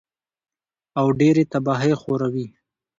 او ډېرې تباهۍ خوروي